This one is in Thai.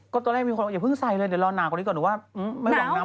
ก็ตอนแรกมีคนอยากเพิ่งใส่เลยเดี๋ยวรอนาวกว่านี้ก่อนหรือว่า